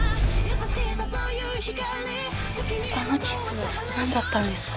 あのキスはなんだったんですか？